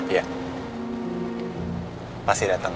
iya pasti datang